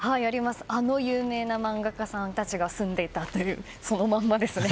あの有名な漫画家さんたちが住んでいたというそのまんまですね。